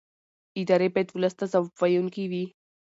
ادارې باید ولس ته ځواب ویونکې وي